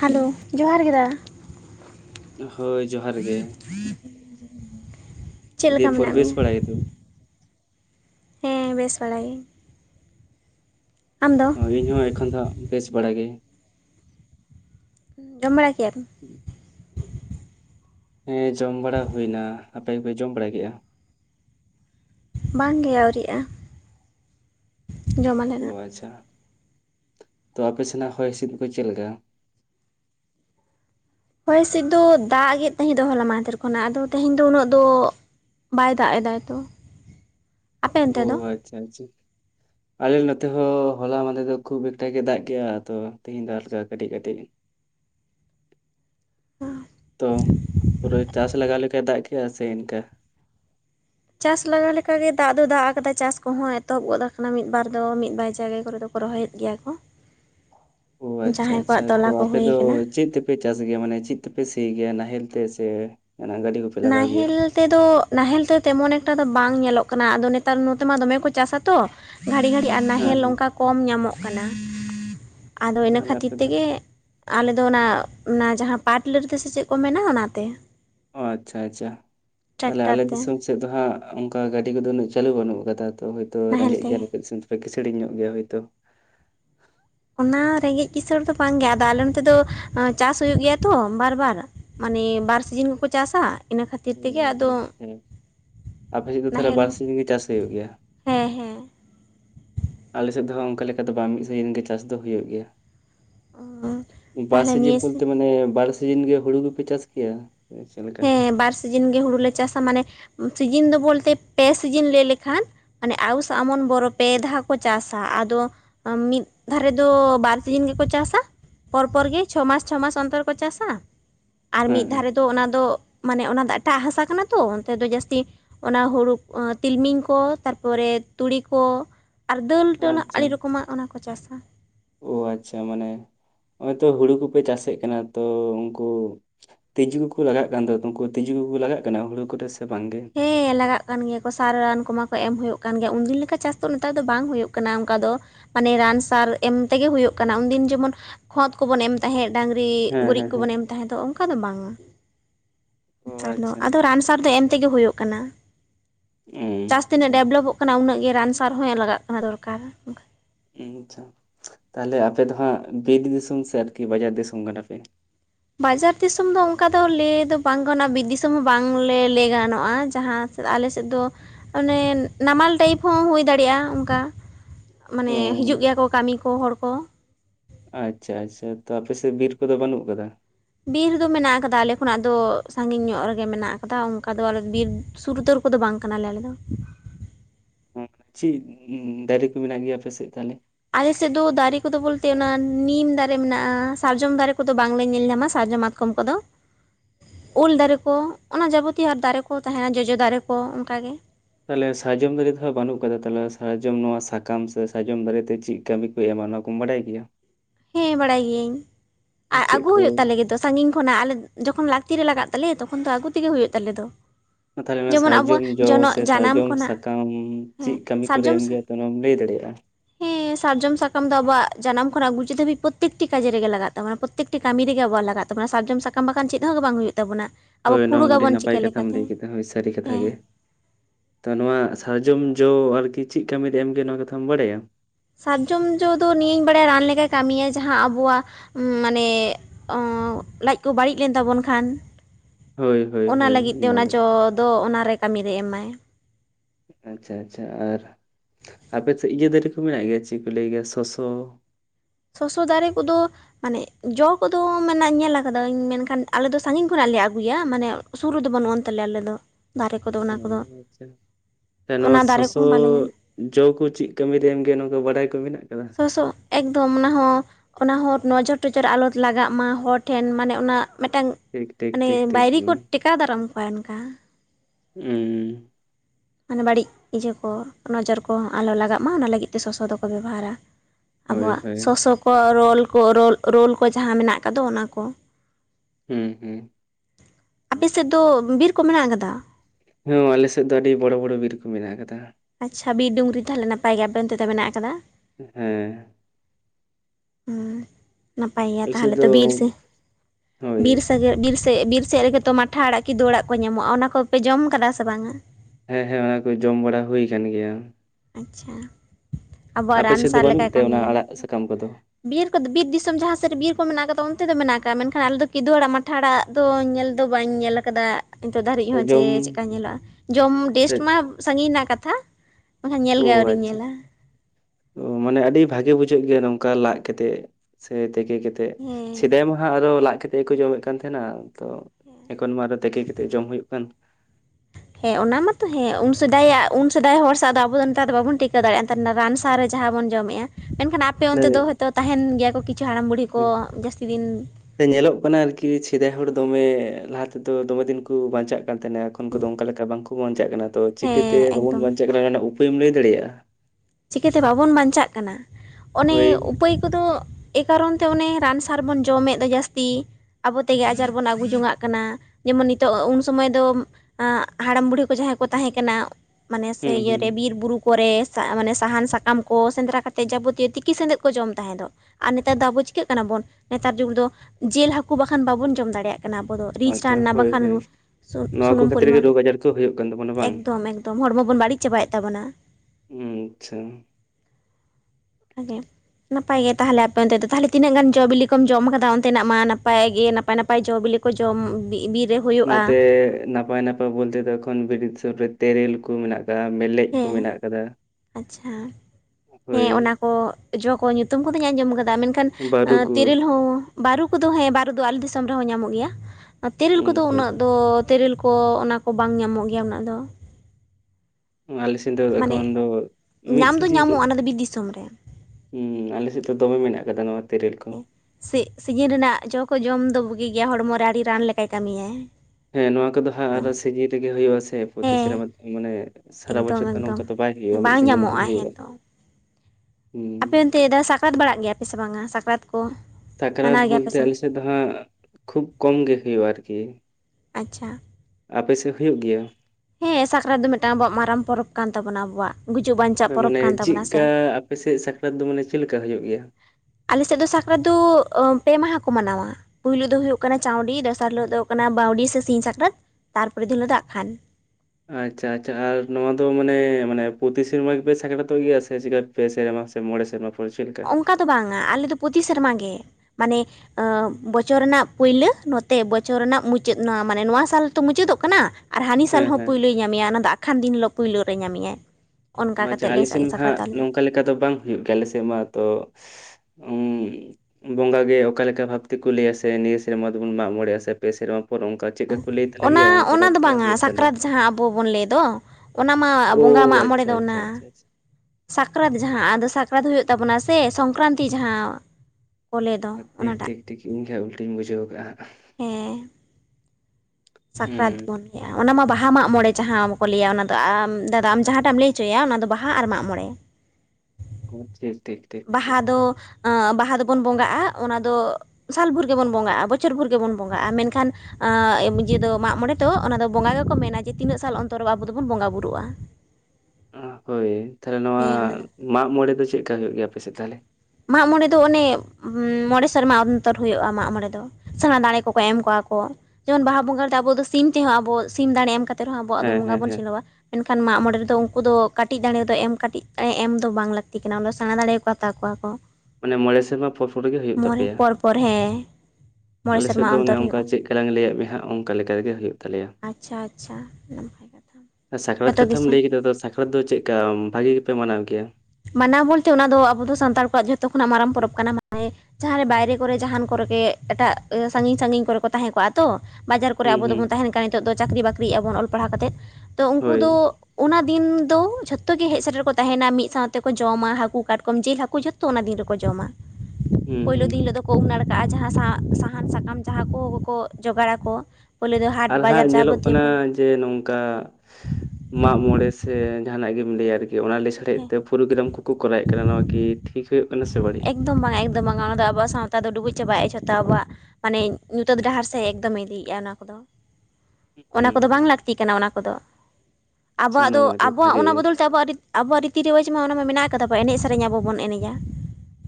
Hello ᱡᱚᱦᱟᱨ ᱜᱮ ᱫᱟ ᱦᱳᱭ ᱡᱚᱦᱟᱨ ᱜᱮ ᱪᱮᱫ ᱫᱤᱭᱮ ᱞᱮᱠᱟ ᱯᱚᱨ ᱢᱮᱱᱟᱜ ᱢᱮᱭᱟ ᱵᱮᱥ ᱵᱟᱲᱟᱭ ᱜᱮᱛᱚ? ᱦᱮᱸ ᱵᱮᱥ ᱵᱟᱲᱟᱭ ᱜᱮ ᱾ ᱟᱢᱫᱚ? ᱚ ᱤᱧᱦᱚᱸ ᱮᱠᱷᱚᱱ ᱫᱚ ᱵᱮᱥ ᱵᱟᱲᱟ ᱜᱮ ᱾ ᱡᱚᱢ ᱵᱟᱲᱟ ᱠᱮᱜ ᱟᱯᱮ? ᱦᱩᱸ ᱦᱮᱸ ᱡᱚᱢ ᱵᱟᱲᱟ ᱦᱩᱭᱱᱟ ᱟᱯᱮ ᱯᱮ ᱡᱚᱢ ᱵᱟᱲᱟ ᱠᱮᱜᱟ? ᱵᱟᱝ ᱜᱮ ᱟᱹᱣᱨᱤᱜ-ᱟ ᱡᱚᱢ ᱟᱞᱮᱱᱟᱜ ᱚᱸ ᱟᱪᱪᱷᱟ ᱛᱚ ᱟᱯᱮ ᱥᱮᱱᱟᱜ ᱦᱚᱭ ᱦᱤᱥᱤᱫ ᱠᱚ ᱪᱮᱫ ᱞᱮᱠᱟ? ᱦᱚᱭ ᱦᱤᱸᱥᱤᱫ ᱫᱚ ᱫᱟᱜ ᱜᱮᱫ ᱛᱟᱦᱮᱸᱫ ᱦᱚᱞᱟᱢᱟᱦᱟᱫᱷᱮᱨ ᱠᱷᱚᱱᱟᱜ ᱟᱫᱚ ᱛᱮᱦᱮᱧ ᱫᱚ ᱩᱱᱟᱹᱜ ᱫᱚ ᱵᱟᱭ ᱫᱟᱜ ᱮᱫᱟ ᱛᱚ᱾ ᱟᱯᱮ ᱚᱱᱛᱮ ᱚ ᱫᱚ ᱟᱪᱪᱷᱟ ᱟᱪᱪᱷᱟ [unintelligible] ᱟᱞᱮ ᱱᱚᱛᱮ ᱦᱚᱸ ᱦᱚᱞᱟ ᱢᱟᱦᱟᱫᱮᱨ ᱫᱚ ᱠᱷᱩᱵ ᱮᱠᱴᱟ ᱜᱮ ᱫᱟᱜ ᱠᱮᱜᱼᱟ ᱟᱫᱚ ᱛᱮᱦᱤᱧ ᱫᱚ ᱦᱟᱞᱠᱟ ᱠᱟᱹᱴᱤᱡ ᱠᱟᱹᱴᱤᱡ᱾ [unintelligible] ᱛᱚ ᱯᱩᱨᱟᱹ ᱪᱟᱥ ᱞᱟᱜᱟ ᱞᱮᱠᱟ ᱫᱟᱜ ᱠᱮᱜᱼᱟ ᱥᱮ ᱤᱱᱠᱟᱟᱹ? ᱪᱟᱥ ᱞᱟᱜᱟ ᱞᱮᱠᱟ ᱜᱮ ᱫᱟᱜ ᱫᱚ ᱫᱟᱜ ᱟᱠᱟᱫᱟ ᱪᱟᱥ ᱠᱚᱦᱚᱸ ᱮᱛᱚᱦᱚᱵ ᱜᱚᱫ ᱟᱠᱟᱱᱟ ᱢᱤᱫᱵᱟᱨ ᱫᱚ ᱢᱤᱫ ᱵᱟᱨ ᱡᱟᱭᱜᱟ ᱠᱚᱨᱮ ᱫᱚ᱾ ᱨᱚᱦᱚᱭᱮᱫ ᱜᱮᱭᱟ ᱠᱚ᱾ ᱚ ᱟᱪᱪᱷᱟ ᱡᱟᱦᱟᱸᱭ ᱠᱚᱣᱟᱜ ᱟᱪᱪᱷᱟ, ᱛᱚ ᱛᱚᱞᱟ ᱠᱚ ᱟᱯᱮ ᱦᱩᱭ ᱟᱠᱟᱱᱟ ᱪᱮᱫ ᱛᱮᱯᱮ ᱯᱮ ᱪᱟᱥ ᱜᱮᱭᱟ? ᱢᱟᱱᱮ ᱪᱮᱫ ᱛᱮᱯᱮ ᱥᱤ ᱜᱮᱭᱟ ᱱᱟᱦᱮᱞ ᱛᱮ ᱥᱮ ᱜᱟᱹᱰᱤ ᱞᱟᱜᱟᱣ ᱜᱮᱭᱟ ᱱᱟᱦᱮᱞ ᱛᱮ ᱫᱚ ᱱᱟᱦᱮᱞ ᱛᱮ ᱛᱮᱢᱚᱱ ᱮᱠᱴᱟ ᱫᱚ ᱵᱟᱝ ᱧᱮᱞᱚᱜ ᱠᱟᱱᱟ᱾ ᱟᱫᱚ ᱱᱮᱛᱟᱨ ᱱᱚᱛᱮ ᱢᱟ ᱫᱚᱢᱮ ᱠᱚ ᱪᱟᱥ ᱟᱛᱚ᱾ ᱜᱷᱟᱹᱲᱤ ᱜᱷᱟᱹᱲᱤᱡ ᱟᱨ ᱦᱮᱸ ᱱᱟᱦᱮᱞ ᱦᱮᱸ ᱚᱱᱠᱟ ᱠᱚᱢ ᱧᱟᱢᱚᱜ ᱠᱟᱱᱟ ᱾ ᱟᱫᱚ ᱤᱱᱟᱹ ᱛᱟᱦᱚᱞᱮ ᱠᱷᱟᱹᱛᱤᱨ ᱟᱯᱮ ᱫᱚ ᱛᱮᱜᱮ ᱟᱞᱮ ᱫᱚ ᱚᱱᱟ ᱯᱟᱣᱟᱨ ᱴᱮᱞᱟᱨ ᱛᱮ ᱥᱮ ᱪᱮᱫ ᱠᱚ ᱢᱮᱱᱟ ᱚᱱᱟᱛᱮ᱾ ᱚ ᱟᱪᱪᱷᱟ ᱟᱪᱪᱷᱟ, ᱛᱟᱦᱚᱞᱮ ᱴᱨᱟᱠᱴᱟᱨ ᱟᱞᱮ ᱛᱮ ᱫᱤᱥᱚᱢ ᱥᱮ ᱱᱚᱛᱮ ᱫᱚ ᱦᱟᱸᱜ ᱚᱱᱠᱟ ᱜᱟᱹᱰᱤ ᱠᱚᱫᱚ ᱩᱱᱟᱹᱜ ᱪᱟᱹᱞᱩ ᱵᱟᱹᱱᱩᱜ ᱟᱠᱟᱫᱟ, ᱛᱚ ᱦᱳᱭᱛᱳ ᱱᱟᱦᱮᱞ ᱨᱮᱸᱜᱮᱡ ᱛᱮᱜᱮ ᱜᱮᱭᱟᱞᱮ ᱯᱮ ᱠᱤᱥᱟᱹᱲ ᱧᱚᱜ ᱜᱮᱭᱟ ᱦᱳᱭᱛᱳ᱾ ᱚᱱᱟ ᱨᱮᱸᱜᱮᱡ ᱠᱤᱥᱟᱹᱲ ᱫᱚ ᱵᱟᱝᱜᱮ ᱾ ᱟᱫᱚ ᱟᱞᱮ ᱱᱚᱛᱮ ᱫᱚ ᱪᱟᱥ ᱦᱩᱭᱩᱜ ᱜᱮᱭᱟ ᱛᱚ ᱵᱟᱨ ᱵᱟᱨ᱾ ᱢᱟᱱᱮ ᱵᱟᱨ ᱥᱤᱡᱤᱱ ᱠᱚᱠᱚ ᱪᱟᱥᱼᱟ᱾ ᱤᱱᱟᱹ ᱠᱷᱟᱹᱛᱤᱨ ᱚ ᱛᱮᱜᱮ ᱟᱫᱚ ᱟᱪᱪᱷᱟ ᱟᱯᱮ ᱥᱮᱫ ᱫᱚ ᱛᱟᱦᱚᱞᱮ ᱱᱟᱦᱮᱞ ᱵᱟᱨ ᱥᱤᱡᱤᱱ ᱜᱮ ᱪᱟᱥ ᱦᱩᱭᱩᱜ ᱜᱮᱭᱟ ᱦᱮᱸ ᱦᱮᱸ᱾ ᱟᱞᱮ ᱥᱮᱫ ᱫᱚ ᱦᱚᱸ ᱚᱱᱠᱟ ᱞᱮᱠᱟ ᱫᱚ ᱵᱟᱝ, ᱢᱤᱫ ᱥᱤᱡᱤᱱ ᱜᱮ ᱪᱟᱥ ᱫᱚ ᱦᱩᱭᱩᱜ ᱜᱮᱭᱟ᱾ ᱵᱟᱨ ᱛᱟᱦᱚᱞᱮ ᱱᱤᱭᱟᱹ ᱥᱤᱡᱤᱱ ᱥᱮ ᱵᱚᱞᱛᱮ ᱢᱟᱱᱮ ᱵᱟᱨ ᱥᱤᱡᱤᱱ ᱜᱮ ᱦᱩᱲᱩ ᱜᱮᱯᱮ ᱪᱟᱥ ᱠᱮᱭᱟ? ᱦᱮᱸ ᱵᱟᱨ ᱥᱤᱡᱤᱱ ᱜᱮ ᱦᱩᱲᱩᱞᱮ ᱪᱟᱥᱟ, ᱢᱟᱱᱮ ᱥᱤᱡᱤᱱ ᱫᱚ ᱵᱚᱞᱛᱮ ᱯᱮ ᱥᱤᱡᱤᱱ ᱞᱟᱹᱭ ᱞᱮᱠᱷᱟᱱ᱾ ᱢᱟᱱᱮ ᱟᱣᱩᱥ ᱟᱢᱚᱱ ᱵᱚᱨᱚ ᱯᱮ ᱫᱷᱟᱣ ᱠᱚ ᱪᱟᱥᱟ᱾ ᱟᱫᱚ ᱢᱤᱫ ᱫᱷᱟᱨᱮ ᱫᱚ ᱵᱟᱨ ᱥᱤᱡᱤᱱ ᱜᱮᱠᱚ ᱪᱟᱥᱼᱟ᱾ ᱯᱚᱨᱯᱚᱨ ᱜᱮ ᱪᱷᱚ ᱢᱟᱥ ᱪᱷᱚ ᱢᱟᱥ ᱚᱱᱛᱚᱨᱠᱚ ᱪᱟᱥᱼᱟ ᱟᱨ ᱦᱮᱸ ᱢᱤᱫ ᱫᱷᱟᱣ ᱦᱮᱸ ᱨᱮᱫᱚ ᱚᱱᱟ ᱫᱚ ᱢᱟᱱᱮ ᱚᱱᱟ ᱫᱚ ᱮᱴᱟᱜ ᱦᱟᱥᱟ ᱠᱟᱱᱟ ᱛᱚ ᱚᱱᱛᱮ ᱫᱚ ᱡᱟᱹᱥᱛᱤ ᱚᱱᱟ ᱦᱩᱲᱩ ᱛᱤᱞᱢᱤᱧ ᱠᱚ ᱛᱟᱨᱯᱚᱨᱮ ᱛᱩᱲᱤ ᱠᱚ᱾ ᱟᱨ ᱫᱟᱹᱞᱴᱟᱹᱞ ᱟᱪᱪᱷᱟ ᱟᱹᱰᱤ ᱨᱚᱠᱚᱢᱟᱜ ᱚᱱᱟ ᱠᱚ ᱪᱟᱥᱼᱟ᱾ ᱚ ᱟᱪᱪᱷᱟ, ᱢᱟᱱᱮ ᱱᱚᱜᱼᱚᱭ ᱛᱚ ᱦᱩᱲᱩ ᱠᱚᱯᱮ ᱪᱟᱥᱮᱫ ᱠᱟᱱᱟ ᱛᱚ ᱩᱱᱠᱩ ᱛᱤᱡᱩ ᱠᱚᱠᱚ ᱞᱟᱜᱟᱜ ᱠᱟᱱ ᱫᱚ ᱩᱱᱠᱩ ᱛᱤᱡᱩ ᱠᱚᱠᱚ ᱞᱟᱜᱟᱜ ᱠᱟᱱᱟ ᱦᱩᱲᱩ ᱠᱚᱨᱮ ᱥᱮ ᱵᱟᱝᱜᱮ? ᱦᱮᱸ ᱞᱟᱜᱟᱜ ᱠᱟᱱ ᱜᱮᱭᱟ ᱠᱚ ᱥᱟᱨ ᱨᱟᱱ ᱠᱚᱢᱟ ᱠᱚ ᱮᱢ ᱦᱩᱭᱩᱜ ᱠᱟᱱ ᱜᱮᱭᱟ᱾ ᱩᱱᱫᱤᱱ ᱞᱮᱠᱟ ᱪᱟᱥ ᱫᱚ ᱱᱮᱛᱟᱨ ᱫᱚ ᱵᱟᱝ ᱦᱩᱭᱩᱜ ᱠᱟᱱᱟ ᱚᱱᱠᱟ ᱫᱚ᱾ ᱢᱟᱱᱮ ᱨᱟᱱ ᱥᱟᱨ ᱮᱢ ᱛᱮᱜᱮ ᱦᱩᱭᱩᱜ ᱠᱟᱱᱟ᱾ ᱩᱱᱫᱤᱱ ᱡᱮᱢᱚᱱ ᱠᱷᱚᱛ ᱠᱚᱵᱚᱱ ᱮᱢ ᱛᱟᱦᱮᱸᱫ ᱰᱟᱹᱝᱨᱤ ᱦᱮᱸ ᱜᱩᱨᱤᱡ ᱦᱮᱸ ᱦᱮᱸ ᱠᱚᱵᱚᱱ ᱮᱢ ᱛᱟᱦᱮᱸ ᱫᱚ ᱚᱱᱠᱟ ᱫᱚ ᱵᱟᱝᱼᱟ᱾ ᱚ ᱱᱮᱛᱟᱨ ᱫᱚ ᱟᱪᱪᱷᱟ ᱟᱫᱚ ᱨᱟᱱ ᱥᱟᱨ ᱫᱚ ᱮᱢ ᱛᱮᱜᱮ ᱠᱟᱱᱟ᱾ ᱦᱩᱸ ᱪᱟᱥ ᱛᱤᱱᱟᱹᱜ ᱟᱪᱪᱷᱟ ᱰᱮᱵᱞᱚᱯᱚᱜ ᱠᱟᱱᱟ ᱩᱱᱟᱹᱜ ᱜᱮ ᱨᱟᱱ ᱥᱟᱨ ᱦᱚᱸ ᱞᱟᱜᱟᱜ ᱠᱟᱱᱟ ᱫᱚᱨᱠᱟᱨ᱾ ᱩᱸ ᱟᱪᱪᱷᱟ ᱛᱟᱦᱚᱞᱮ ᱟᱯᱮ ᱫᱚ ᱦᱟᱸᱜ ᱵᱤᱨ ᱫᱤᱥᱚᱢ ᱥᱮ ᱟᱨᱠᱤ ᱵᱟᱡᱟᱨ ᱫᱤᱥᱚᱢ ᱠᱟᱱᱟ ᱯᱮ? ᱵᱟᱡᱟᱨ ᱫᱤᱥᱚᱢ ᱫᱚ ᱚᱱᱠᱟ ᱫᱚ ᱞᱟᱹᱭ ᱫᱚ ᱵᱟᱝ ᱜᱟᱱᱚᱜᱼᱟ, ᱵᱤᱨ ᱫᱤᱥᱚᱢ ᱦᱚᱸ ᱵᱟᱝᱞᱮ ᱞᱟᱹᱭ ᱜᱟᱱᱚᱜᱼᱟ ᱡᱟᱦᱟᱸ ᱟᱞᱮ ᱥᱮᱫ ᱫᱚ ᱢᱟᱱᱮ ᱱᱟᱢᱟᱞ ᱴᱟᱭᱤᱯ ᱦᱚᱸ ᱦᱩᱭ ᱫᱟᱲᱮᱭᱟᱜᱼᱟ ᱚᱱᱠᱟ᱾ ᱚ ᱢᱟᱱᱮ ᱦᱤᱡᱩᱜ ᱜᱮᱭᱟ ᱠᱚ ᱠᱟᱹᱢᱤ ᱠᱚ ᱦᱚᱲ ᱠᱚ᱾ ᱟᱪᱪᱷᱟ ᱟᱪᱪᱷᱟ, ᱛᱚ ᱟᱯᱮᱥᱮᱫ ᱵᱤᱨ ᱠᱚᱫᱚ ᱵᱟᱹᱱᱩᱜ ᱟᱠᱟᱫᱟ? ᱵᱤᱨ ᱫᱚ ᱢᱮᱱᱟᱜ ᱟᱠᱟᱫᱟ ᱟᱞᱮ ᱠᱷᱚᱱᱟᱜ ᱫᱚ ᱥᱟᱺᱜᱤᱧ ᱧᱚᱜ ᱨᱮᱜᱮ ᱢᱮᱱᱟᱜ ᱟᱠᱟᱫᱟ ᱾ ᱚᱱᱠᱟ ᱫᱚ ᱟᱞᱮ ᱵᱤᱨ ᱥᱩᱨᱩ ᱩᱛᱟᱹᱨ ᱠᱚᱫᱚ ᱵᱟᱝ ᱠᱟᱱᱟᱞᱮ ᱟᱞᱮ ᱫᱚ᱾ ᱪᱤᱫ ᱫᱟᱨᱤ ᱠᱚ ᱢᱮᱱᱟᱜ ᱜᱮᱭᱟ ᱟᱯᱮ ᱥᱮᱫ ᱛᱟᱦᱚᱞᱮ? ᱟᱞᱮ ᱥᱮᱫ ᱫᱚ ᱫᱟᱨᱮ ᱠᱚᱫᱚ ᱵᱚᱞᱛᱮ ᱚᱱᱟ ᱱᱤᱢ ᱫᱟᱨᱮ ᱢᱮᱱᱟᱜ-ᱟ, ᱥᱟᱨᱡᱚᱢ ᱫᱟᱨᱮ ᱠᱚᱫᱚ ᱵᱟᱝᱞᱮ ᱧᱮᱞ ᱧᱟᱢᱟ ᱥᱟᱨᱡᱚᱢᱟ ᱠᱚᱢ ᱠᱚᱫᱚ᱾ ᱩᱞ ᱫᱟᱨᱮ ᱠᱚ ᱚᱱᱟ ᱡᱟᱵᱚᱛᱤᱭᱚ ᱟᱨ ᱫᱟᱨᱮ ᱠᱚ ᱛᱟᱦᱮᱱᱟ ᱡᱚᱡᱚ ᱫᱟᱨᱮ ᱠᱚ ᱚᱱᱠᱟᱜᱮ᱾ ᱛᱟᱦᱚᱞᱮ ᱥᱟᱨᱡᱚᱢ ᱫᱟᱨᱤ ᱫᱚ ᱦᱟᱸᱜ ᱵᱟᱹᱱᱩᱜ ᱟᱠᱟᱫᱟ ᱛᱟᱦᱚᱞᱮ ᱥᱟᱨᱡᱚᱢ ᱱᱚᱣᱟ ᱥᱟᱠᱟᱢ ᱥᱮ ᱥᱟᱨᱡᱚᱢ ᱫᱟᱨᱤ ᱛᱮ ᱪᱤᱫ ᱠᱟᱹᱢᱤ ᱠᱚᱭ ᱮᱢᱟ ᱚᱱᱟ ᱠᱚᱢ ᱵᱟᱰᱟᱭ ᱜᱮᱭᱟ? ᱦᱮᱸ ᱵᱟᱲᱟᱭ ᱜᱤᱭᱟᱹᱧ ᱟᱨ ᱪᱮᱫ ᱟᱹᱜᱩ ᱠᱚ ᱦᱩᱭᱩᱜ ᱛᱟᱞᱮ ᱜᱮᱫᱚ, ᱥᱟᱺᱜᱤᱧ ᱠᱷᱚᱱᱟᱜ ᱟᱞᱮ ᱡᱚᱠᱷᱚᱱ ᱞᱟᱹᱠᱛᱤ ᱨᱮ ᱞᱟᱜᱟᱜ ᱛᱟᱞᱮ ᱛᱚᱠᱷᱚᱱ ᱫᱚ ᱟᱹᱜᱩ ᱛᱮᱜᱮ ᱦᱩᱭᱩᱜ ᱛᱟᱞᱮ ᱫᱚ᱾ ᱛᱟᱦᱚᱞᱮ ᱚᱱᱟ ᱡᱮᱢᱚᱱ ᱟᱵᱚᱣᱟᱜ ᱥᱟᱨᱡᱚᱢ ᱡᱚ ᱡᱚᱱᱚᱜ ᱥᱮ ᱡᱟᱱᱟᱢ ᱥᱟᱨᱡᱚᱢ ᱠᱷᱚᱱᱟᱜ ᱥᱟᱠᱟᱢ ᱦᱮᱸ ᱪᱮᱫ ᱠᱟᱹᱢᱤ ᱠᱚᱨᱮ ᱥᱟᱨᱡᱚᱢ ᱮᱢ ᱜᱮᱭᱟ ᱛᱚ ᱱᱚᱣᱟᱢ ᱞᱟᱹᱭ ᱫᱟᱲᱮᱭᱟᱜ-ᱟ? ᱦᱮᱸ ᱥᱟᱨᱡᱚᱢ ᱥᱟᱠᱟᱢ ᱫᱚ ᱟᱵᱚᱣᱟᱜ ᱡᱟᱱᱟᱢ ᱠᱷᱚᱱᱟᱜ ᱜᱩᱡ ᱪᱮᱫ ᱦᱟᱹᱵᱤᱡ ᱯᱨᱚᱛᱛᱮᱠᱴᱤ ᱠᱟᱡᱮ ᱨᱮ ᱞᱟᱜᱟ ᱛᱟᱵᱚᱱᱟ ᱯᱨᱚᱛᱛᱮᱠᱴᱤ ᱠᱟᱹᱢᱤ ᱨᱮ ᱟᱵᱚᱣᱟᱜ ᱞᱟᱜᱟ ᱛᱟᱵᱚᱱᱟ ᱥᱟᱨᱡᱚᱢ ᱥᱟᱠᱟᱢ ᱵᱟᱠᱷᱟᱱ ᱪᱮᱫ ᱦᱚᱸ ᱵᱟᱝ ᱦᱩᱭᱩᱜ ᱛᱟᱵᱚᱱᱟ᱾ ᱟᱵᱚ ᱦᱳᱭ ᱱᱚᱣᱟ ᱢᱟ ᱟᱹᱰᱤ ᱯᱷᱩᱲᱩᱜᱟᱵᱚᱱ ᱱᱟᱯᱟᱭ ᱪᱤᱠᱟᱹ ᱠᱟᱛᱷᱟᱢ ᱞᱮᱠᱟᱛᱮ ᱞᱟᱹᱭ ᱠᱮᱫᱟ ᱦᱳᱭ ᱥᱟᱹᱨᱤ ᱠᱟᱛᱷᱟ ᱦᱮᱸ ᱜᱮ᱾ ᱛᱚ ᱱᱚᱣᱟ ᱥᱟᱨᱡᱚᱢ ᱡᱚ ᱟᱨᱠᱤ ᱪᱮᱫ ᱠᱟᱹᱢᱤ ᱨᱮ ᱮᱢ ᱜᱮᱭᱟ ᱱᱚᱣᱟ ᱠᱟᱛᱷᱟᱢ ᱵᱟᱰᱟᱭᱟ? ᱥᱟᱨᱡᱚᱢ ᱡᱚ ᱫᱚ ᱱᱤᱭᱟᱹᱧ ᱵᱟᱲᱟᱭᱟ ᱨᱟᱱ ᱞᱮᱠᱟ ᱠᱟᱹᱢᱤᱭᱟ ᱡᱟᱦᱟᱸ ᱟᱵᱚᱣᱟᱜ ᱢᱟᱱᱮ ᱚᱸ ᱞᱟᱡ ᱠᱚ ᱵᱟᱹᱲᱤᱡ ᱞᱮᱱ ᱛᱟᱵᱚᱱ ᱠᱷᱟᱱ ᱦᱳᱭ ᱦᱳᱭ ᱚᱱᱟ ᱦᱳᱭ ᱞᱟᱹᱜᱤᱫ ᱛᱮ ᱱᱚᱣᱟ ᱚᱱᱟ ᱜᱮ ᱡᱚ ᱛᱟᱦᱮᱸ᱾ ᱫᱚ ᱚᱱᱟ ᱨᱮ ᱠᱟᱹᱢᱤ ᱨᱮ ᱮᱢᱟᱭ᱾ ᱟᱪᱪᱷᱟ ᱟᱪᱪᱷᱟ ᱟᱨ ᱟᱯᱮ ᱥᱮᱫ ᱤᱭᱟᱹ ᱫᱟᱨᱮ ᱠᱚ ᱢᱮᱱᱟᱜ ᱜᱮᱭᱟ ᱪᱮᱫ ᱠᱚ ᱞᱟᱹᱭ ᱜᱮᱭᱟ ᱥᱚᱥᱚ? ᱥᱚᱥᱚ ᱫᱟᱨᱮ ᱠᱚᱫᱚ ᱢᱟᱱᱮ ᱡᱚ ᱠᱚᱫᱚ ᱢᱟᱱᱮ ᱧᱮᱞ ᱟᱠᱟᱫᱟᱹᱧ ᱢᱮᱱᱠᱷᱟᱱ ᱟᱞᱮ ᱫᱚ ᱥᱟᱺᱜᱤᱧ ᱠᱷᱚᱱᱟᱜ ᱞᱮ ᱟᱹᱜᱩᱭᱟ ᱢᱟᱱᱮ ᱥᱩᱨ ᱨᱮᱫᱚ ᱵᱟᱹᱱᱩᱜ ᱟᱱ ᱛᱟᱞᱮᱭᱟ ᱟᱞᱮ ᱫᱚ ᱫᱟᱨᱮ ᱠᱚᱫᱚ᱾ ᱚᱱᱟ ᱠᱚᱫᱚ ᱦᱩᱸ ᱟᱪᱪᱷᱟ ᱚᱱᱟ ᱱᱚᱣᱟ ᱫᱟᱨᱮ ᱥᱚᱥᱚ ᱠᱚᱦᱚᱸ ᱵᱟᱞᱮ ᱧᱮᱞ ᱡᱚ ᱠᱚ ᱪᱮᱫ ᱠᱟᱹᱢᱤ ᱨᱮ ᱮᱢ ᱜᱮᱭᱟ ᱱᱚᱠᱚ ᱵᱟᱰᱟᱭ ᱠᱚ ᱢᱮᱱᱟᱜ ᱟᱠᱟᱫᱟ? ᱥᱚᱥᱚ ᱮᱠᱫᱚᱢ ᱚᱱᱟ ᱦᱚᱸ ᱚᱱᱟ ᱦᱚᱸ ᱱᱚᱡᱚᱨ ᱴᱚᱡᱚᱨ ᱟᱞᱚ ᱞᱟᱜᱟᱜ ᱢᱟ ᱦᱚᱲ ᱴᱷᱮᱱ ᱢᱟᱱᱮ ᱚᱱᱟ ᱢᱤᱫᱴᱟᱝ ᱴᱷᱤᱠ ᱴᱷᱤᱠ ᱢᱟᱱᱮ ᱴᱷᱤᱠ ᱴᱷᱤᱠ ᱵᱟᱭᱨᱤ ᱠᱚ ᱦᱩᱸ ᱴᱮᱠᱟᱣ ᱫᱟᱨᱟᱢ ᱠᱚᱣᱟ ᱚᱱᱠᱟ᱾ ᱦᱩᱸ᱾ ᱢᱟᱱᱮ ᱵᱟᱲᱤᱡ ᱤᱭᱟᱹ ᱠᱚ ᱱᱚᱡᱚᱨ ᱠᱚ ᱟᱞᱚ ᱞᱟᱜᱟᱜ ᱢᱟ ᱚᱱᱟ ᱞᱟᱹᱜᱤᱫ ᱛᱮ ᱥᱚᱥᱚ ᱫᱚᱠᱚ ᱵᱮᱵᱚᱦᱟᱨᱟ, ᱦᱳᱭ ᱟᱵᱚᱣᱟᱜ ᱦᱳᱭ ᱥᱚᱥᱚ ᱠᱚ ᱨᱳᱞ ᱠᱚ ᱨᱳᱞ ᱨᱳᱞ ᱠᱚ ᱡᱟᱦᱟᱸ ᱢᱮᱱᱟᱜ ᱟᱠᱟᱫ ᱫᱚ ᱚᱱᱟ ᱠᱚ᱾ ᱦᱮᱸ ᱦᱩᱸ᱾ ᱟᱯᱮ ᱥᱮᱫ ᱫᱚ ᱵᱤᱨ ᱠᱚ ᱢᱮᱱᱟᱜ ᱟᱠᱟᱫᱟ? ᱦᱚᱸ ᱟᱞᱮ ᱥᱮᱫ ᱫᱚ ᱟᱹᱰᱤ ᱵᱚᱲᱚ ᱵᱚᱲᱚ ᱵᱤᱨ ᱠᱚ ᱢᱮᱱᱟᱜ ᱟᱠᱟᱫᱟ᱾ ᱟᱪᱪᱷᱟ ᱵᱤᱨ ᱰᱩᱝᱨᱤ ᱛᱟᱦᱚᱞᱮ ᱱᱟᱯᱟᱭ ᱜᱮ ᱟᱯᱮ ᱚᱱᱛᱮ ᱫᱚ ᱢᱮᱱᱟᱜ ᱟᱠᱟᱫᱟ? ᱦᱮᱸ᱾ ᱩᱸ ᱱᱟᱯᱟᱭ ᱜᱮᱭᱟ ᱟᱞᱮ ᱥᱮᱫ ᱛᱟᱦᱚᱞᱮ ᱫᱚ ᱛᱚ ᱵᱤᱨ ᱥᱮ ᱦᱳᱭ ᱵᱤᱨ ᱥᱟᱜᱮ ᱵᱤᱨ ᱪᱮᱜ ᱵᱤᱨ ᱥᱮᱫ ᱨᱮᱜᱮ ᱛᱚ ᱢᱟᱴᱷᱟ ᱟᱲᱟᱜ ᱠᱤᱫᱩᱜ ᱟᱲᱟᱜ ᱠᱚ ᱧᱟᱢᱚᱜ-ᱟ ᱚᱱᱟ ᱠᱚᱯᱮ ᱡᱚᱢ ᱠᱟᱫᱟ ᱥᱮ ᱵᱟᱝ-ᱟ? ᱦᱮᱸ ᱦᱮᱸ ᱚᱱᱟ ᱠᱚ ᱡᱚᱢ ᱵᱟᱲᱟ ᱦᱩᱭ ᱠᱟᱱ ᱜᱮᱭᱟ᱾ ᱟᱪᱪᱷᱟ ᱟᱵᱚᱣᱟᱜ ᱟᱯᱮ ᱨᱟᱱ ᱥᱮᱫ ᱫᱚ ᱥᱟᱨ ᱵᱟᱹᱱᱩᱜ ᱞᱮᱠᱟᱭ ᱛᱮ ᱠᱟᱹᱢᱤᱭᱟ ᱚᱱᱟ ᱟᱲᱟᱜ ᱫᱚ᱾ ᱥᱟᱠᱟᱢ ᱠᱚᱫᱚ ᱵᱤᱨ ᱠᱚᱫᱚ ᱵᱤᱨ ᱫᱤᱥᱚᱢ ᱡᱟᱦᱟᱸ ᱥᱮᱫ ᱨᱮ ᱵᱤᱨ ᱠᱚ ᱢᱮᱱᱟᱜ ᱟᱠᱟᱫᱟ ᱚᱱᱛᱮ ᱫᱚ ᱢᱮᱱᱟᱜ ᱟᱠᱟᱜ-ᱟ ᱢᱮᱱᱠᱷᱟᱱ ᱟᱞᱮ ᱫᱚ ᱠᱤᱫᱩᱜ ᱟᱲᱟᱜ ᱢᱟᱴᱷᱟ ᱟᱲᱟᱜ ᱫᱚ ᱧᱮᱞ ᱫᱚ ᱵᱟᱹᱧ ᱧᱮᱞ ᱟᱠᱟᱫᱟ᱾ ᱱᱤᱛᱚᱜ ᱫᱷᱟᱹᱨᱤᱡ ᱦᱚᱸ ᱡᱮ ᱡᱚᱢ ᱪᱮᱫ ᱠᱟ ᱧᱮᱞᱚᱜ-ᱟ ᱡᱚᱢ ᱴᱮᱥᱴ ᱢᱟ ᱥᱟᱺᱜᱤᱧ ᱨᱮᱱᱟᱜ ᱠᱟᱛᱷᱟ᱾ ᱚᱱᱟ ᱧᱮᱞ ᱳ ᱜᱮ ᱟᱹᱣᱨᱤᱧ ᱟᱪᱪᱷᱟ ᱧᱮᱞᱟ᱾ ᱚ ᱟᱹᱰᱤ ᱵᱷᱟᱜᱤ ᱵᱩᱡᱷᱟᱹᱜ ᱜᱮᱭᱟ ᱱᱚᱝᱠᱟ ᱞᱟᱫ ᱠᱟᱛᱮᱜ ᱥᱮ ᱛᱤᱠᱤ ᱠᱟᱛᱮᱜ, ᱦᱮᱸ ᱥᱮᱫᱟᱭ ᱢᱟ ᱦᱟᱸ ᱟᱫᱚ ᱞᱟᱫ ᱠᱮᱛᱮᱫ ᱜᱮᱠᱚ ᱡᱚᱢᱮᱫ ᱠᱟᱱ ᱛᱟᱦᱮᱱᱟ ᱛᱚ ᱮᱠᱷᱚᱱ ᱢᱟ ᱟᱨᱦᱚᱸ ᱛᱮᱠᱤ ᱠᱟᱛᱮᱫ ᱡᱚᱢ ᱦᱩᱭᱩᱜ ᱠᱟᱱ᱾ ᱦᱮᱸ ᱚᱱᱟ ᱢᱟᱛᱚ ᱦᱮᱸ ᱩᱱ ᱥᱮᱫᱟᱭᱟᱜ ᱩᱱ ᱥᱮᱫᱟᱭ ᱦᱚᱲ ᱥᱟᱶ ᱫᱚ ᱟᱵᱚ ᱫᱚ ᱱᱮᱛᱟᱨ ᱫᱚ ᱵᱟᱵᱚᱱ ᱴᱮᱠᱟᱣ ᱫᱟᱲᱮᱭᱟᱜᱼᱟ। ᱚᱱᱟ ᱨᱟᱱ ᱥᱟᱨ ᱨᱮ ᱡᱟᱦᱟᱸ ᱵᱚᱱ ᱡᱚᱢᱮᱫᱼᱟ ᱢᱮᱱᱠᱷᱟᱱ ᱟᱯ ᱟᱯᱮ ᱚᱱᱛᱮ ᱫᱚ ᱦᱳᱭᱛᱚ ᱛᱟᱦᱮᱱ ᱜᱮᱭᱟ ᱠᱚ ᱠᱤᱪᱷᱩ ᱦᱟᱲᱟᱢ ᱵᱩᱲᱦᱤ ᱠᱚ ᱡᱟᱹᱥᱛᱤ ᱫᱤᱱ? ᱥᱮ ᱧᱮᱞᱚᱜ ᱠᱟᱱᱟ ᱟᱨᱠᱤ ᱥᱮᱫᱟᱭ ᱦᱚᱲ ᱫᱚᱢᱮ ᱞᱟᱦᱟ ᱛᱮᱫᱚ ᱫᱚᱢᱮ ᱫᱤᱱ ᱠᱚ ᱵᱟᱧᱪᱟᱜ ᱠᱟᱱ ᱛᱟᱦᱮᱱᱟ ᱠᱚ। ᱤᱱᱠᱤ ᱫᱚ ᱚᱱᱠᱟ ᱞᱮᱠᱟ ᱵᱟᱝᱠᱚ ᱵᱟᱧᱪᱟᱜ ᱠᱟᱱᱟ ᱛᱚ ᱪᱤᱠᱟᱹᱛᱮ ᱦᱮᱸ ᱵᱟᱵᱚᱱ ᱮᱠᱫᱚᱢ ᱵᱟᱧᱪᱟᱜ ᱠᱟᱱᱟ ᱚᱱᱟ ᱨᱮᱱᱟᱜ ᱩᱯᱟᱹᱭᱮᱢ ᱞᱟᱹᱭ ᱫᱟᱲᱮᱭᱟᱜᱼᱟ? ᱪᱤᱠᱟᱹᱛᱮ ᱵᱟᱵᱚᱱ ᱵᱟᱧᱪᱟᱜ ᱠᱟᱱᱟ ᱚᱱᱮ ᱦᱳᱭ ᱩᱯᱟᱹᱭ ᱠᱚᱫᱚ ᱮᱭ ᱠᱟᱨᱚᱱ ᱛᱮ ᱚᱱᱮ ᱨᱟᱱ ᱥᱟᱨ ᱵᱚᱱ ᱡᱚᱢᱮᱫ ᱫᱚ ᱡᱟᱹᱥᱛᱤ ᱟᱵᱚ ᱛᱮᱜᱮ ᱟᱡᱟᱨ ᱵᱚᱱ ᱟᱹᱜᱩ ᱡᱚᱝ-ᱟᱜ ᱠᱟᱱᱟ ᱡᱮᱢᱚᱱ ᱱᱤᱛᱚᱜ ᱩᱱ ᱥᱚᱢᱚᱭ ᱫᱚ ᱦᱟᱲᱟᱢ ᱵᱩᱲᱦᱤ ᱠᱚ ᱡᱟᱦᱟᱸᱭ ᱠᱚ ᱛᱟᱦᱮ ᱠᱟᱱᱟ ᱢᱟᱱᱮ ᱥᱮ ᱦᱩᱸ ᱦᱩᱸ ᱤᱭᱟᱹᱨᱮ ᱵᱤᱨᱼ ᱵᱩᱨᱩ ᱠᱚᱨᱮ ᱢᱟᱱᱮ ᱥᱟᱦᱟᱱ ᱥᱟᱠᱟᱢ ᱠᱚ ᱥᱮᱸᱫᱽᱨᱟ ᱠᱟᱛᱮᱫ ᱡᱟᱵᱚᱛᱤᱭᱚ ᱛᱤᱠᱤ ᱥᱮᱸᱫᱮᱫ ᱠᱚ ᱡᱚᱢ ᱛᱟᱦᱮᱸ ᱫᱚ। ᱟᱨ ᱱᱮᱛᱟᱨ ᱫᱚ ᱟᱵᱚ ᱪᱤᱠᱟᱹᱜ ᱠᱟᱱᱟ ᱵᱚᱱ ᱱᱮᱛᱟᱨ ᱡᱩᱜᱽ ᱫᱚ ᱡᱤᱞ ᱦᱟᱹᱠᱩ ᱵᱟᱠᱷᱟᱱ ᱵᱟᱵᱚᱱ ᱡᱚᱢ ᱫᱟᱲᱮᱭᱟᱜ ᱠᱟᱱᱟ। ᱟᱵᱚ ᱫᱚ ᱨᱤᱪ ᱟᱪᱪᱷᱟ ᱨᱟᱱ ᱱᱟ ᱦᱳᱭ ᱵᱟᱠᱷᱟᱱ ᱦᱳᱭ ᱱᱚᱣᱟ ᱠᱚ ᱥᱩᱱᱩᱢ ᱠᱷᱟᱹᱛᱤᱨ ᱜᱮ ᱯᱚᱨᱤᱢᱟᱱ ᱨᱳᱜᱽ ᱟᱡᱟᱨ ᱠᱚ ᱦᱩᱭᱩᱜ ᱠᱟᱱ ᱛᱟᱵᱚᱱᱟ ᱵᱟᱝ ᱮᱠᱫᱚᱢ ᱮᱠᱫᱚᱢ। ᱛᱚ ᱦᱚᱲᱢᱚ ᱵᱚᱱ ᱵᱟᱹᱲᱤᱡ ᱪᱟᱵᱟᱭᱮᱫ ᱛᱟᱵᱚᱱᱟ। ᱦᱩᱸ ᱟᱪᱪᱷᱟ᱾ [unintelligible] ᱱᱟᱯᱟᱭ ᱜᱮ ᱛᱟᱦᱚᱞᱮ ᱟᱯᱮ ᱚᱱᱛᱮ ᱫᱚ ᱛᱟᱦᱚᱞᱮ ᱛᱤᱱᱟᱹᱜ ᱜᱟᱱ ᱡᱚ ᱵᱤᱞᱤ ᱠᱚᱢ ᱡᱚᱢ ᱠᱟᱫᱟ ᱚᱱᱛᱮᱱᱟᱜ ᱢᱟ ᱱᱟᱯᱟᱭ ᱜᱮ ᱱᱟᱯᱟᱭ ᱱᱟᱯᱟᱭ ᱡᱚ ᱵᱤᱞᱤ ᱠᱚ ᱡᱚᱢ ᱵᱤ ᱵᱤᱨ ᱨᱮ᱾ ᱦᱩᱭᱩᱜᱼᱟ ᱱᱚᱛᱮ ᱱᱟᱯᱟᱭ ᱱᱟᱯᱟᱭ ᱵᱚᱞᱛᱮ ᱫᱚ ᱮᱠᱷᱚᱱ ᱵᱤᱨᱤᱫ ᱥᱩᱨ ᱨᱮ ᱛᱮᱨᱮᱞ ᱠᱚ ᱢᱮᱱᱟᱜ ᱦᱮ ᱢᱮᱞᱮᱫ ᱠᱚ ᱦᱮᱸ ᱢᱮᱱᱟᱜ ᱠᱟᱫᱟ᱾ ᱟᱪᱪᱷᱟ ᱦᱮᱸ ᱚᱱᱟ ᱠᱚ ᱡᱚ ᱠᱚ ᱧᱩᱛᱩᱢ ᱠᱚᱫᱩᱧ ᱟᱸᱡᱚᱢ ᱠᱟᱫᱟ ᱢᱮᱱᱠᱷᱟ ᱠᱷᱟᱱ ᱮ ᱵᱟᱹᱨᱩ ᱠᱚ ᱛᱤᱨᱤᱞ ᱦᱚᱸ ᱵᱟᱹᱨᱩ ᱠᱚᱫᱚ ᱦᱮᱸ ᱵᱟᱹᱨᱩ ᱫᱚ ᱟᱞᱮ ᱫᱤᱥᱚᱢ ᱨᱮᱦᱚᱸ ᱧᱟᱢᱚᱜ ᱜᱮᱭᱟ᱾ ᱟᱨ ᱛᱮᱨᱮᱞ ᱠᱚᱫᱚ ᱩᱱᱟᱹᱜ ᱫᱚ ᱛᱮᱨᱮᱞ ᱠᱚ ᱚᱱᱟ ᱠᱚ ᱵᱟᱝ ᱧᱟᱢᱚᱜ ᱜᱮᱭᱟ ᱩᱱᱟᱹᱜ ᱫᱚ᱾ ᱟᱞᱮ ᱥᱮᱱ ᱫᱚ ᱢᱟᱱᱮ ᱮᱠᱷᱚᱱ ᱫᱚ ᱢᱤᱫ ᱧᱟᱢ ᱫᱚ ᱥᱤᱡᱤᱱ ᱪᱮᱫ? ᱧᱟᱢᱚᱜᱼᱟ ᱚᱱᱟ ᱫᱚ ᱵᱤᱨ ᱫᱤᱥᱚᱢ ᱨᱮ ᱦᱩᱸ ᱟᱞᱮ ᱥᱮᱫ ᱫᱚ ᱫᱚᱢᱮ ᱢᱮᱱᱟᱜ ᱠᱟᱫᱟ ᱱᱚᱣᱟ ᱛᱮᱨᱮᱞ ᱠᱚ᱾ ᱥᱤᱜ ᱥᱤᱡᱤᱱ ᱨᱮᱱᱟᱜ ᱡᱚ ᱠᱚ ᱡᱚᱢ ᱫᱚ ᱵᱩᱜᱤ ᱜᱮᱭᱟ ᱦᱚᱲᱢᱚ ᱨᱮ ᱟᱹᱰᱤ ᱨᱟᱱ ᱞᱮᱠᱟᱭ ᱠᱟᱹᱢᱤᱭᱟᱭ᱾ ᱦᱮᱸ ᱱᱚᱣᱟ ᱠᱚᱫᱚ ᱦᱟᱸᱜ ᱟᱨᱚ ᱥᱤᱡᱤᱱ ᱨᱮᱜᱮ ᱦᱩᱭᱩᱜ ᱟ ᱥᱮ ᱯᱨᱚᱛᱤ ᱦᱮᱸ ᱥᱮᱨᱢᱟ ᱢᱟᱱᱮ ᱥᱟᱨᱟ ᱮᱠᱫᱚᱢ ᱵᱚᱪᱷᱚᱨ ᱛᱚ ᱮᱠᱫᱚᱢ ᱱᱚᱝᱠᱟ ᱛᱚ ᱵᱟᱭ ᱦᱩᱭᱩᱜᱼᱟ ᱢᱤᱫ ᱵᱟᱝ ᱥᱤᱡᱤᱱ ᱜᱮ ᱧᱟᱢᱚᱜᱼᱟ ᱦᱩᱭᱩᱜᱼᱟ᱾ ᱦᱮᱸᱛᱚ ᱦᱩᱸ ᱟᱯᱮ ᱚᱱᱛᱮ ᱫᱟ ᱥᱟᱠᱨᱟᱛ ᱵᱟᱲᱟᱜ ᱜᱮᱭᱟ ᱯᱮ ᱥᱮ ᱵᱟᱝ-ᱟ ᱥᱟᱠᱨᱟᱛ ᱠᱚ? ᱥᱟᱠᱨᱟᱛ ᱢᱟᱱᱟᱣ ᱜᱮᱭᱟᱯᱮ ᱵᱚᱞᱛᱮ ᱥᱮ ᱵᱟᱝ ᱟᱞᱮ ᱥᱮᱫ ᱫᱚ ᱦᱟᱸᱜ ᱠᱷᱩᱵ ᱠᱚᱢ ᱜᱮ ᱦᱩᱭᱩᱜᱼᱟ ᱟᱨᱠᱤ᱾ ᱟᱪᱪᱷᱟ᱾ ᱟᱯᱮ ᱥᱮᱫ ᱦᱩᱭᱩᱜ ᱜᱮᱭᱟ? ᱦᱮᱸ ᱥᱟᱠᱨᱟᱛ ᱫᱚ ᱢᱤᱫᱴᱟᱝ ᱟᱵᱚᱣᱟᱜ ᱢᱟᱨᱟᱝ ᱯᱚᱨᱚᱵᱽ ᱠᱟᱱ ᱛᱟᱵᱚᱱᱟ ᱟᱵᱚᱣᱟᱜ᱾ ᱜᱩᱡᱩᱜ ᱵᱟᱧᱪᱟᱣ ᱢᱟᱱᱮ ᱪᱮᱫᱠᱟ ᱟᱯᱮ ᱥᱮᱫ ᱥᱟᱠᱨᱟᱛ ᱫᱚ ᱢᱟᱱᱮ ᱪᱮᱫ ᱞᱮᱠᱟ ᱦᱩᱭᱩᱜ ᱜᱮᱭᱟ? ᱟᱞᱮ ᱥᱮᱫ ᱫᱚ ᱥᱟᱠᱨᱟᱛ ᱫᱚ ᱯᱮ ᱢᱟᱦᱟ ᱠᱚ ᱢᱟᱱᱟᱣᱟ᱾ ᱯᱩᱭᱞᱳ ᱫᱚ ᱦᱩᱭᱩᱜ ᱠᱟᱱᱟ ᱪᱟᱹᱣᱰᱤ ᱫᱚᱥᱟᱨ ᱦᱤᱞᱳᱜ ᱫᱚ ᱦᱩᱭᱩᱜ ᱠᱟᱱᱟ ᱵᱟᱹᱣᱰᱤ ᱥᱮ ᱥᱤᱧ ᱥᱟᱠᱨᱟᱛ ᱛᱟᱨᱯᱚᱨᱮ ᱫᱤᱱ ᱦᱤᱞᱳᱜ ᱫᱚ ᱟᱠᱷᱟᱱ᱾ ᱟᱪᱪᱷᱟ ᱟᱪᱪᱷᱟ ᱟᱨ ᱱᱚᱣᱟ ᱫᱚ ᱢᱟᱱᱮ ᱢᱟᱱᱮ ᱯᱨᱚᱛᱤ ᱥᱤᱨᱢᱟ ᱜᱮᱯᱮ ᱥᱟᱠᱨᱟᱛᱚᱜ ᱜᱮᱭᱟ ᱥᱮ ᱪᱮᱠᱟ ᱯᱮ ᱥᱮᱨᱢᱟ ᱥᱮ ᱢᱚᱸᱬᱮ ᱥᱮᱨᱢᱟ ᱯᱚᱨᱮ ᱪᱮᱫ ᱞᱮᱠᱟ? ᱚᱱᱠᱟ ᱫᱚ ᱵᱟᱝᱟ ᱟᱞᱮ ᱫᱚ ᱯᱚᱛᱤ ᱥᱮᱨᱢᱟ ᱜᱮ ᱢᱟᱱᱮ ᱮᱸ ᱵᱚᱪᱷᱚᱨ ᱨᱮᱱᱟᱜ ᱯᱩᱭᱞᱟᱹ ᱱᱚᱛᱮ ᱵᱚᱪᱷᱚᱨ ᱨᱮᱱᱟᱜ ᱢᱩᱪᱟᱹᱫ ᱱᱚᱣᱟ ᱢᱟᱱᱮ ᱱᱚᱣᱟ ᱥᱟᱞ ᱛᱚ ᱢᱩᱪᱟᱹᱫᱚᱜ ᱠᱟᱱᱟ᱾ ᱟᱨ ᱦᱟᱹᱱᱤ ᱥᱟᱞ ᱦᱮᱸ ᱦᱚᱸ ᱦᱮᱸ ᱯᱳᱭᱞᱳᱭ ᱧᱟᱢᱮᱭᱟ ᱚᱱᱟ ᱫᱚ ᱟᱠᱷᱟᱱ ᱫᱤᱱ ᱦᱤᱞᱳᱜ ᱯᱳᱭᱞᱳ ᱨᱮ ᱧᱟᱢᱮᱭᱟᱭ᱾ ᱚᱱᱠᱟ ᱠᱟᱛᱮᱫ ᱞᱮ ᱥᱟᱹᱦᱤ ᱥᱟᱠᱨᱟᱛᱚᱜ-ᱟ ᱞᱮ᱾ ᱚᱱᱠᱟ ᱫᱚ ᱵᱟᱝ ᱦᱩᱭᱩᱜ ᱜᱮᱭᱟ ᱟᱞᱮ ᱥᱮᱫ ᱢᱟ ᱛᱚ ᱩᱸ ᱵᱚᱸᱜᱟ ᱜᱮ ᱚᱠᱟ ᱞᱮᱠᱟ ᱵᱷᱟᱵ ᱛᱮᱠᱚ ᱞᱟᱹᱭᱟ ᱥᱮ ᱱᱤᱭᱟᱹ ᱥᱮᱨᱢᱟ ᱫᱚᱵᱚᱱ ᱢᱟᱜ ᱢᱚᱬᱮ-ᱟ ᱥᱮ ᱯᱮ ᱥᱮᱨᱢᱟ ᱯᱚᱨ ᱚᱱᱠᱟ ᱪᱮᱫᱠᱟ ᱠᱚ ᱞᱟᱹᱭ ᱛᱟᱞᱮ ᱚᱱᱟ ᱜᱮᱭᱟ ᱚᱱᱠᱟ ᱵᱷᱟᱵ ᱚᱱᱟ ᱫᱚ ᱛᱮ ᱦᱟᱸᱜ ᱵᱟᱝᱟ ᱦᱩᱭᱩᱜ ᱛᱟᱞᱮᱭᱟ᱾ ᱥᱟᱠᱨᱟᱛ ᱡᱟᱦᱟᱸ ᱟᱵᱚ ᱵᱚᱱ ᱞᱟᱹᱭ ᱫᱚ᱾ ᱚᱱᱟ ᱢᱟ ᱳ ᱵᱚᱸᱜᱟ ᱢᱟᱜ ᱢᱚᱬᱮ ᱟᱪᱪᱷᱟ ᱫᱚ ᱚᱱᱟ ᱟᱪᱪᱷᱟ ᱟᱪᱪᱷᱟ ᱟᱪᱪᱷᱟ ᱥᱟᱠᱨᱟᱛ ᱡᱟᱦᱟᱸ ᱟᱫᱚ ᱥᱟᱠᱨᱟᱛ ᱦᱩᱭᱩᱜ ᱛᱟᱵᱚᱱᱟ ᱥᱮ, ᱥᱚᱝᱠᱨᱟᱱᱛᱤ ᱡᱟᱦᱟᱸ ᱠᱚ ᱞᱟᱹᱭ ᱫᱚ ᱚ ᱴᱷᱤᱠ ᱚᱱᱟᱴᱟᱜ ᱴᱷᱤᱠ ᱴᱷᱤᱠ ᱤᱧ ᱜᱮ ᱦᱟᱸᱜ ᱩᱞᱴᱟᱹᱧ ᱵᱩᱡᱷᱟᱹᱣ ᱠᱟᱜ-ᱟ ᱦᱟᱸᱜ᱾ ᱦᱮᱸ ᱥᱟᱠᱨᱟᱛ ᱵᱚᱱ ᱚᱱᱟ ᱢᱟ ᱵᱟᱦᱟ ᱢᱟᱜ ᱢᱚᱬᱮ ᱡᱟᱦᱟᱸ ᱵᱟᱠᱚ ᱞᱟᱹᱭᱟ ᱚᱱᱟᱫᱚ ᱟᱢ ᱫᱟᱫᱟ ᱟᱢ ᱡᱟᱦᱟᱸᱴᱟᱜ ᱮᱢ ᱞᱟᱹᱭ ᱦᱚᱪᱚᱭᱮᱜ-ᱟ ᱚᱱᱟᱫᱚ ᱵᱟᱦᱟ ᱟᱨ ᱢᱟᱜ ᱢᱚᱬᱮ᱾ ᱚ ᱴᱷᱤᱠ᱾ ᱴᱷᱤᱠ ᱴᱷᱤᱠ ᱵᱟᱦᱟ ᱫᱚ, ᱮᱸ ᱵᱟᱦᱟ ᱫᱚᱵᱚᱱ ᱵᱚᱸᱜᱟᱜ-ᱟ ᱚᱱᱟ ᱫᱚ ᱥᱟᱞ ᱵᱷᱩᱨ ᱜᱮᱵᱚᱱ ᱵᱚᱸᱜᱟ-ᱟ, ᱵᱚᱪᱷᱚᱨ ᱵᱷᱩᱨ ᱜᱮᱵᱚᱱ ᱵᱚᱸᱜᱟ-ᱟ᱾ ᱢᱮᱱᱠᱷᱟᱱ ᱟ ᱮᱵᱡᱟᱹ ᱫᱚ ᱢᱟᱜ ᱢᱚᱬᱮ ᱛᱚ ᱚᱱᱟᱫᱚ ᱵᱚᱸᱜᱟ ᱜᱮᱠᱚ ᱢᱮᱱᱟ ᱡᱮ ᱛᱤᱱᱟᱹᱜ ᱥᱟᱞ ᱚᱱᱛᱚᱨ ᱟᱵᱚ ᱫᱚ ᱵᱚᱱ ᱵᱚᱸᱜᱟ ᱵᱩᱨᱩᱜ-ᱟ᱾ [inaudible] ᱚ, ᱦᱳᱭ ᱛᱟᱦᱚᱹᱞᱮ ᱱᱚᱣᱟ ᱫᱚ ᱢᱟᱜ ᱢᱚᱬᱮ ᱫᱚ ᱪᱮᱫᱠᱟ ᱦᱩᱭᱩᱜ ᱜᱮᱭᱟ ᱟᱯᱮ ᱥᱮᱫ ᱛᱟᱦᱚᱸᱞᱮ? ᱢᱟᱜ ᱢᱚᱬᱮ ᱫᱚ ᱚᱱᱮ, ᱩᱸ ᱢᱚᱬᱮ ᱥᱮᱨᱢᱟ ᱚᱱᱛᱚᱨ ᱦᱩᱭᱩᱜ-ᱟ ᱢᱟᱜ ᱢᱚᱬᱮ ᱫᱚ᱾ ᱥᱮᱸᱬᱟ ᱫᱟᱲᱮ ᱠᱚᱠᱚ ᱮᱢ ᱠᱚᱣᱟ ᱠᱚ᱾ ᱡᱮᱢᱚᱱ ᱵᱟᱦᱟ ᱵᱚᱸᱜᱟ ᱨᱮ ᱫᱚ ᱟᱵᱚ ᱫᱚ ᱥᱤᱢ ᱛᱮᱦᱚᱸ ᱟᱵᱚ ᱥᱤᱢ ᱫᱟᱲᱮ ᱮᱢ ᱠᱟ ᱛᱮ ᱨᱮᱦᱚᱸ ᱟᱵᱚᱣᱟᱜ ᱦᱮᱸ ᱫᱚ ᱦᱮᱸ ᱵᱚᱸᱜᱟ ᱦᱮᱸ ᱵᱚᱱ ᱪᱷᱤᱸᱰᱟᱹᱣᱟ᱾ ᱢᱮᱱᱠᱷᱟᱱ ᱢᱟᱜ ᱢᱚᱬᱮ ᱨᱮᱫᱚ ᱩᱱᱠᱩ ᱫᱚ ᱠᱟᱹᱴᱤᱡ ᱫᱟᱲᱮ ᱫᱚ ᱮᱢ ᱠᱟᱹᱴᱤᱡ ᱮ ᱮᱢ ᱫᱚ ᱵᱟᱝ ᱞᱟᱹᱠᱛᱤ ᱠᱟᱱᱟ᱾ ᱚᱱᱟ ᱥᱮᱬᱟ ᱫᱟᱲᱮ ᱜᱮ ᱠᱚ ᱦᱟᱛᱟᱣ ᱠᱟᱣᱟ ᱠᱚ᱾ ᱢᱟᱱᱮ ᱢᱚᱬᱮ ᱥᱮᱨᱢᱟ ᱯᱚᱨ ᱯᱚᱨ ᱜᱮ ᱦᱩᱭᱩᱜ ᱢᱚᱬᱮ ᱛᱟᱯᱮᱭᱟ᱾ ᱯᱚᱨ ᱯᱚᱨ ᱦᱮᱸ ᱢᱚᱬᱮ ᱟᱞᱮ ᱥᱮᱫ ᱥᱮᱨᱢᱟ ᱫᱚ ᱚᱱᱮ ᱚᱱᱛᱚᱨ ᱚᱱᱠᱟ ᱦᱩᱭᱩᱜᱼᱟ ᱪᱮᱫᱠᱟ ᱞᱟᱝ ᱞᱟᱹᱭᱟᱫ ᱢᱮ ᱦᱟᱸᱜ ᱚᱱᱠᱟ ᱞᱮᱠᱟ ᱨᱮᱜᱮ ᱦᱩᱭᱩᱜ ᱛᱟᱞᱮᱭᱟ᱾ ᱟᱪᱪᱷᱟ ᱟᱪᱪᱷᱟ ᱱᱟᱯᱟᱭ ᱠᱟᱛᱷᱟ᱾ ᱥᱟᱠᱨᱟᱛ ᱡᱚᱛᱚ ᱠᱟᱛᱷᱟᱢ ᱫᱤᱥᱚᱢ ᱞᱟᱹᱭ ᱠᱮᱫᱟ ᱛᱚ ᱥᱟᱠᱨᱟᱛ ᱫᱚ ᱪᱮᱫᱠᱟ ᱵᱷᱟᱜᱤ ᱜᱮᱯᱮ ᱢᱟᱱᱟᱣ ᱜᱮᱭᱟ ᱾ ᱢᱟᱱᱟᱣ ᱵᱚᱞᱛᱮ ᱚᱱᱟ ᱫᱚ ᱟᱵᱚ ᱫᱚ ᱥᱟᱱᱛᱟᱲ ᱠᱚᱣᱟᱜ ᱡᱷᱚᱛᱚ ᱠᱷᱚᱱᱟᱜ ᱢᱟᱨᱟᱝ ᱯᱚᱨᱚᱵᱽ ᱠᱟᱱᱟ ᱢᱟᱱᱮ᱾ ᱡᱟᱦᱟᱸ ᱨᱮ ᱵᱟᱭᱨᱮ ᱠᱚᱨᱮ ᱡᱟᱦᱟᱱ ᱠᱚᱨᱮᱜ ᱜᱮ ᱮᱴᱟᱜ ᱥᱟᱺᱜᱤᱧ ᱥᱟᱺᱜᱤᱧ ᱠᱚᱨᱮ ᱠᱚ ᱛᱟᱦᱮᱸ ᱠᱚᱜ-ᱟ ᱛᱚ, ᱵᱟᱡᱟᱨ ᱠᱚᱨᱮ ᱦᱩᱸ ᱟᱵᱚ ᱫᱚ ᱦᱩᱸ ᱵᱚᱱ ᱛᱟᱦᱮᱸᱱ ᱠᱟᱱᱟ ᱱᱤᱛᱚᱜ ᱫᱚ ᱪᱟᱹᱠᱨᱤ ᱵᱟᱹᱠᱨᱤᱭᱮᱜ-ᱟ ᱵᱚᱱ ᱚᱞ ᱯᱟᱲᱦᱟᱣ ᱠᱟᱛᱮ᱾ ᱛᱚ ᱩᱱᱠᱩ ᱦᱳᱭ ᱫᱚ ᱚᱱᱟ ᱫᱤᱱ ᱫᱚ ᱡᱷᱚᱛᱚ ᱜᱮ ᱦᱮᱡ ᱥᱮᱴᱮᱨ ᱠᱚ ᱛᱟᱦᱮᱸᱱᱟ ᱢᱤᱫ ᱥᱟᱶ ᱛᱮ ᱠᱚ ᱡᱚᱢᱟ ᱦᱟᱠᱩ ᱠᱟᱴᱠᱚᱢ ᱡᱤᱞ ᱦᱟᱹᱠᱩ ᱡᱷᱚᱛᱚ ᱚᱱᱟ ᱫᱤᱱ ᱨᱮᱠᱚ ᱡᱚᱢᱟ᱾ ᱦᱩᱸ ᱯᱳᱭᱞᱳ ᱦᱩᱸ ᱫᱤᱱ ᱦᱤᱞᱳ ᱫᱚ᱾ ᱠᱚ ᱩᱢ ᱱᱟᱲᱠᱟᱜ-ᱟ ᱡᱟᱦᱟᱸ ᱥᱟ ᱥᱟᱦᱟᱱ ᱥᱟᱠᱟᱢ ᱡᱟᱦᱟᱸ ᱠᱚ ᱠᱚ ᱡᱚᱜᱟᱲ ᱟᱠᱟᱣᱟ ᱾ ᱯᱟᱹᱭᱞᱟᱹ ᱫᱚ ᱦᱟᱴ ᱵᱟᱡᱟᱨ ᱡᱟᱵᱚᱛᱤᱭᱟᱹ ᱠᱚ᱾ ᱛᱮ ᱱᱚᱝᱠᱟ᱾ ᱢᱟᱜ ᱢᱚᱬᱮ ᱥᱮ ᱡᱟᱦᱟᱱᱟᱜ ᱜᱮᱢ ᱞᱟᱹᱭᱟ᱾ ᱜᱮ ᱚᱱᱟ ᱞᱮᱥᱟᱲ ᱦᱮᱡ ᱦᱮᱸ ᱛᱮ ᱯᱨᱳᱜᱨᱟᱢ ᱠᱚᱠᱚ ᱠᱚᱨᱟᱣᱮᱫ ᱠᱟᱱᱟ᱾ ᱱᱚᱣᱟ ᱠᱤ ᱴᱷᱤᱠ ᱦᱩᱭᱩᱜ ᱠᱟᱱᱟ ᱥᱮ ᱵᱟᱹᱲᱤᱡ? ᱮᱠᱫᱚᱢ ᱵᱟᱝ-ᱟ ᱮᱠᱫᱚᱢ ᱵᱟᱝ-ᱟ, ᱚᱱᱟ ᱫᱚ ᱟᱵᱚᱣᱟᱜ ᱥᱟᱶᱛᱟ ᱫᱚ ᱰᱩᱵᱩᱡ ᱪᱟᱵᱟᱭᱮᱜ-ᱟ, ᱡᱷᱚᱛᱚ ᱟᱵᱚᱣᱟᱜ ᱢᱟᱱᱮ ᱧᱩᱛᱟᱹᱛ ᱰᱟᱦᱟᱨ ᱥᱮᱫ ᱮᱠᱫᱚᱢᱮ ᱤᱫᱤᱭᱮᱫ-ᱟ ᱚᱱᱟ ᱠᱚᱫᱚ᱾ ᱚᱱᱟ ᱦᱩᱸ ᱠᱚᱫᱚ ᱵᱟᱝ ᱞᱟᱹᱠᱛᱤ ᱠᱟᱱᱟ ᱚᱱᱟ ᱠᱚᱫᱚ᱾ ᱟᱪᱪᱷᱟ ᱟᱵᱚᱣᱟᱜ ᱫᱚ ᱱᱚᱣᱟ ᱟᱹᱰᱤ ᱟᱵᱚᱣᱟᱜ ᱵᱷᱟᱜᱮ ᱚᱱᱟ ᱵᱚᱫᱚᱞ ᱛᱮ ᱟᱵᱚᱣᱟᱜ ᱨᱤᱛ ᱟᱵᱚᱣᱟᱜ ᱨᱤᱛᱤ ᱨᱮ ᱱᱚᱜ-ᱚᱭ ᱡᱮ ᱢᱟ ᱚᱱᱟᱢᱟ ᱢᱮᱱᱟᱜ ᱠᱟᱫᱟ ᱵᱚ ᱮᱱᱮᱡ ᱥᱮᱨᱮᱸᱧ ᱟᱵᱚ ᱵᱚᱱ ᱮᱱᱮᱡᱟ᱾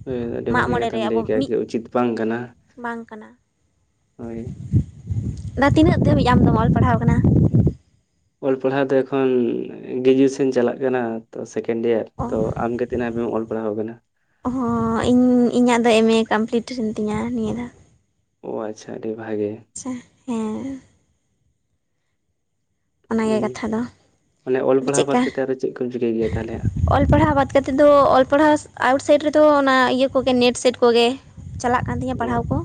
ᱦᱳᱭ ᱟᱹᱰᱤ ᱢᱟᱜ ᱵᱷᱟᱜᱤ ᱢᱚᱬᱮ ᱠᱟᱛᱷᱟᱢ ᱨᱮ ᱞᱟᱹᱭ ᱟᱵᱚ ᱠᱮᱜ-ᱟ᱾ ᱢᱤᱫ ᱡᱮ ᱩᱪᱤᱛ ᱵᱟᱝ ᱠᱟᱱᱟ᱾ ᱵᱟᱝ ᱠᱟᱱᱟ ᱦᱳᱭ ᱫᱟ ᱛᱤᱱᱟᱹᱜ ᱫᱷᱟᱹᱵᱤᱡ ᱟᱢᱫᱢ ᱚᱞ ᱯᱟᱲᱦᱟᱣ ᱠᱟᱱᱟ? ᱚᱞ ᱯᱟᱲᱦᱟᱣ ᱫᱚ ᱮᱠᱷᱚᱱ, ᱜᱨᱮᱡᱩᱭᱮᱥᱚᱱ ᱪᱟᱞᱟᱜ ᱠᱟᱱᱟ ᱛᱚ ᱥᱮᱠᱮᱱᱰ ᱤᱭᱟᱨ᱾ ᱚ ᱛᱚ ᱟᱢᱜᱮ ᱛᱤᱱᱟᱹᱜ ᱦᱟᱹᱵᱮᱢ ᱚᱞ ᱯᱟᱲᱦᱟᱣ ᱟᱠᱟᱱᱟ? ᱦᱚᱸ ᱤᱧ ᱤᱧᱟᱹᱜ ᱫᱚ ᱮᱢ ᱮ ᱠᱚᱢᱯᱞᱤᱴ ᱮᱱ ᱛᱤᱧᱟᱹ ᱱᱤᱭᱟᱹ ᱫᱷᱟᱣ᱾ ᱚ ᱟᱪᱪᱷᱟ ᱟᱹᱰᱤ ᱵᱷᱟᱜᱮ᱾ ᱟᱪᱪᱷᱟ ᱦᱮᱸ᱾ ᱚᱱᱟᱜᱮ ᱦᱩᱸ, ᱠᱟᱛᱷᱟ ᱫᱚ ᱢᱟᱱᱮ ᱚᱞ ᱟᱫᱚ ᱯᱟᱲᱦᱟᱣ ᱵᱟᱫ ᱪᱮᱫᱠᱟ ᱠᱟᱛᱮᱜ ᱟᱫᱚ ᱪᱮᱫ ᱠᱚᱢ ᱪᱤᱠᱟᱹᱭ ᱜᱮᱭᱟ ᱛᱟᱦᱚᱸᱞᱮ? ᱚᱞ ᱯᱟᱲᱦᱟᱣ ᱵᱟᱫ ᱠᱟᱛᱮᱫ ᱫᱚ ᱚᱞ ᱯᱟᱲᱦᱟᱣ ᱟᱣᱩᱴᱥᱟᱭᱤᱰ ᱨᱮᱫᱚ ᱚᱱᱟ ᱤᱭᱟᱹ ᱠᱚᱜᱮ ᱱᱮᱴ ᱥᱮᱴ ᱠᱚᱜᱮ᱾ ᱪᱟᱞᱟᱜ ᱠᱟᱱ ᱛᱤᱧᱟ ᱚ ᱯᱟᱲᱦᱟᱣ ᱠᱚ᱾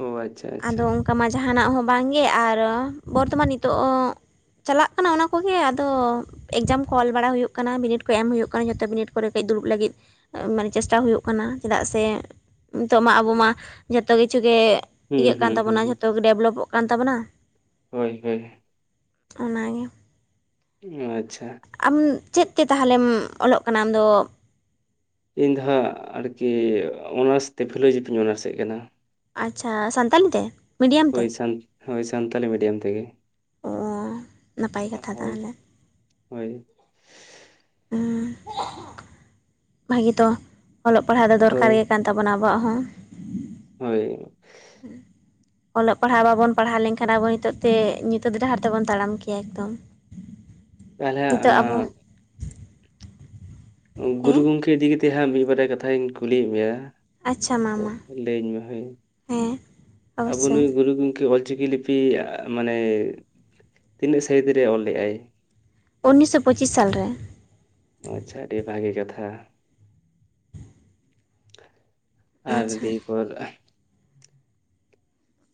ᱚ ᱟᱪᱪᱷᱟ ᱟᱪᱪᱷᱟ ᱟᱫᱚ ᱠᱟᱢᱟ ᱡᱟᱦᱟᱸᱱᱟᱜ ᱦᱚᱸ ᱵᱟᱝᱜᱮ, ᱟᱨ ᱵᱚᱨᱛᱚᱢᱟᱱ ᱱᱤᱛᱚᱜ ᱚ ᱪᱟᱞᱟᱜ ᱠᱟᱱᱟ ᱚᱱᱟ ᱠᱚᱜᱮ ᱟᱫᱚ, ᱮᱠᱡᱟᱢ ᱠᱚ ᱚᱞ ᱵᱟᱲᱟ ᱦᱩᱭᱩᱜ ᱠᱟᱱᱟ, ᱵᱤᱱᱤᱰ ᱠᱚ ᱮᱢ ᱦᱩᱭᱩᱜ ᱠᱟᱱᱟ ᱡᱷᱚᱛ ᱵᱤᱱᱤᱰ ᱠᱚᱨᱮ ᱠᱟᱹᱡ ᱫᱩᱲᱩᱵ ᱞᱟᱹᱜᱤᱫ ᱾ ᱢᱟᱱᱮ ᱪᱮᱥᱴᱟ ᱦᱩᱭᱩᱜ ᱠᱟᱱᱟ ᱪᱮᱫᱟᱜ ᱥᱮᱼᱼ ᱱᱤᱛᱚᱜ ᱢᱟ ᱟᱵᱚ ᱢᱟ ᱡᱚᱛᱚ ᱠᱤᱪᱷᱩᱜᱮ ᱦᱩᱸ ᱤᱭᱟᱹᱜ ᱠᱟᱱ ᱦᱩᱸ ᱦᱩᱸ ᱛᱟᱵᱚᱱᱟ ᱦᱩᱸ, ᱡᱷᱚᱛᱚᱜᱮ ᱰᱮᱵᱷᱞᱚᱯᱚᱜ ᱠᱟᱱ ᱛᱟᱵᱚᱱᱟ ᱾ ᱦᱳᱭ ᱦᱳᱭ, ᱚᱱᱟᱜᱮ ᱾ ᱟᱪᱪᱷᱟ ᱾ ᱟᱢ ᱪᱮᱫ ᱛᱮ ᱛᱟᱦᱚᱞᱮᱢ ᱚᱞᱚᱜ ᱠᱟᱱᱟᱢ ᱟᱢᱫᱚ? ᱤᱧ ᱫᱚ ᱦᱟᱸᱜ ᱟᱨᱠᱤ ᱚᱱᱟᱨᱥ ᱛᱮ ᱯᱷᱤᱞᱳᱡᱚᱯᱷᱤᱧ ᱚᱱᱟᱨᱥᱮᱫ ᱠᱟᱱᱟ ᱾ ᱟᱪᱪᱷᱟ ᱥᱟᱱᱛᱟᱞᱤ ᱛᱮ? ᱢᱤᱰᱤᱭᱟᱢ ᱛᱮ ᱦᱳᱭ ᱥᱟᱱ ᱦᱳᱭ ᱥᱟᱱᱛᱟᱞᱤ ᱢᱤᱰᱤᱭᱟᱢ ᱛᱮᱜᱮ ᱾ ᱚ ᱱᱟᱯᱟᱭ ᱠᱟᱛᱷᱟ ᱛᱟᱦᱞᱮ ᱦᱳᱭ ᱾ ᱚ ᱵᱷᱟᱜᱤ ᱛᱚ ᱚᱞᱚᱜ ᱯᱟᱲᱦᱟᱜ ᱫᱚ ᱦᱳᱭ ᱫᱚᱨᱠᱟᱨ ᱜᱮ ᱠᱟᱱ ᱛᱟᱵᱚᱱᱟ ᱟᱵᱚᱣᱟᱜ ᱦᱚᱸ ᱾ ᱦᱳᱭ ᱾ ᱦᱩᱸ ᱚᱞᱚᱜ ᱯᱟᱲᱦᱟᱜ ᱵᱟᱵᱚᱱ ᱯᱟᱲᱦᱟᱣ ᱞᱮᱱᱠᱷᱟᱱ ᱟᱵᱚ ᱱᱤᱛᱚᱜ ᱛᱮ ᱧᱩᱛᱟᱹᱛ ᱰᱟᱦᱟᱨ ᱛᱮᱵᱚᱱ ᱛᱟᱲᱟᱢ ᱠᱮᱭᱟ ᱮᱠᱫᱚᱢ ᱾ [inaudible] ᱛᱟᱞᱦᱮ ᱚᱱᱟ ᱜᱩᱨᱩ ᱦᱮᱸ ᱜᱚᱝᱠᱮ ᱤᱫᱤ ᱠᱟᱛᱮ ᱦᱟᱸᱜ ᱢᱤᱫᱵᱟᱨᱭᱟ ᱠᱟᱛᱷᱟᱧ ᱠᱩᱞᱤᱭᱮᱜ ᱢᱮᱭᱟ ᱟᱪᱪᱷᱟ ᱢᱟ ᱢᱟ ᱞᱟᱹᱭᱟᱹᱧ ᱢᱮ ᱦᱳᱭ, ᱦᱮᱸ ᱟᱵᱚ ᱚᱵᱚᱥᱥᱳᱭ ᱱᱩᱭ ᱜᱩᱨᱩ ᱜᱚᱝᱠᱮ ᱚᱞᱪᱤᱠᱤ ᱞᱤ ᱯᱤ ᱢᱟᱱᱮ ᱛᱤᱱᱟᱹᱜ ᱥᱟᱹᱦᱤᱛ ᱨᱮ ᱚᱞ ᱞᱮᱜᱼᱟᱭ? ᱩᱱᱤᱥᱥᱚ ᱯᱚᱸᱪᱤᱥ ᱥᱟᱞ ᱨᱮ ᱾ ᱟᱪᱪᱷᱟ ᱟᱹᱰᱤ ᱵᱷᱟᱜᱮ ᱠᱟᱛᱷᱟ ᱾ ᱟᱨ ᱟᱪᱪᱷᱟ ᱫᱤᱭᱮ ᱯᱚᱨ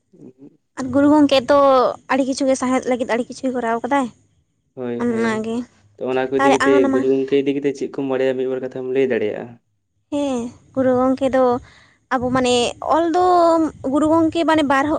[inaudible] ᱜᱩᱨᱩ ᱜᱚᱝᱠᱮ ᱛᱚ ᱟᱹᱰᱤ ᱠᱤᱪᱷᱩ ᱜᱮ ᱥᱟᱶᱦᱮᱫ ᱞᱟᱹᱜᱤᱫ ᱟᱹᱰᱤ ᱠᱤᱪᱷᱩᱭ ᱠᱚᱨᱟᱣ ᱠᱟᱫᱟᱭ ᱾ ᱦᱳᱭ ᱦᱳᱭ ᱛᱚ ᱚᱱᱟ ᱠᱚ ᱤᱫᱤ ᱛᱟᱦᱚᱞᱮ ᱟᱢ ᱠᱟᱛᱮ ᱚᱱᱟᱢᱟ ᱜᱩᱨᱩ ᱜᱚᱝᱠᱮ ᱤᱫᱤ ᱠᱟᱛᱮ ᱪᱮᱫ ᱠᱚᱢ ᱵᱟᱲᱟᱭᱟ ᱢᱤᱫ ᱵᱟᱨ ᱠᱟᱛᱷᱟᱢ ᱞᱟᱹᱭ ᱫᱟᱲᱮᱭᱟᱜᱼᱟ ᱦᱮᱸ ᱜᱩᱨᱩ ᱜᱚᱝᱠᱮ ᱫᱚ ᱟᱵᱚ ᱢᱟᱱᱮ ᱚᱞ ᱫᱚ ᱜᱩᱨᱩ ᱜᱚᱝᱠᱮ ᱢᱟᱱᱮ ᱵᱟᱨᱦᱚ